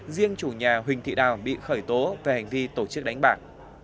riêng chủ nhà huỳnh thị đào bị khởi tố về hành vi tổ chức đánh bạc